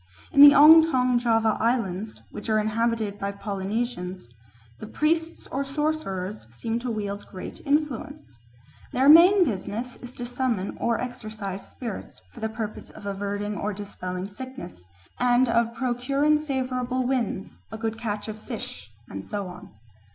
In the Ongtong Java Islands, which are inhabited by Polynesians, the priests or sorcerers seem to wield great influence. Their main business is to summon or exorcise spirits for the purpose of averting or dispelling sickness, and of procuring favourable winds, a good catch of fish, and so on.